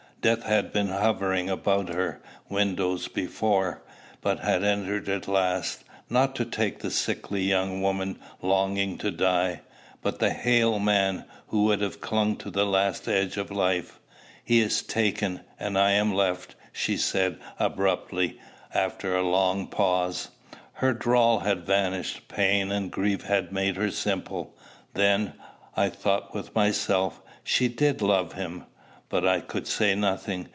Death had been hovering about her windows before, but had entered at last; not to take the sickly young woman longing to die, but the hale man, who would have clung to the last edge of life. "He is taken, and I am left," she said abruptly, after a long pause. Her drawl had vanished: pain and grief had made her simple. "Then," I thought with myself, "she did love him!" But I could say nothing.